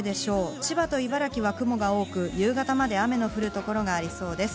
千葉と茨城は雲が多く、夕方まで雨の降る所がありそうです。